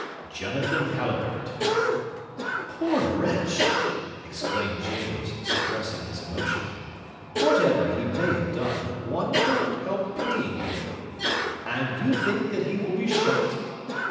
"Jonathan Halliburtt." "Poor wretch!" exclaimed James, suppressing his emotion. "Whatever he may have done, one cannot help pitying him. And you think that he will be shot?"